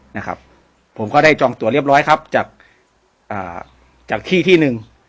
นะครับผมก็ได้จองตัวเรียบร้อยครับจากอ่าจากจากที่ที่หนึ่ง